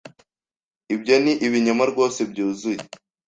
Ibyo ni ibinyoma rwose byuzuye.